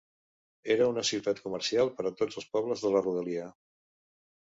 Era una ciutat comercial per a tots els pobles de la rodalia.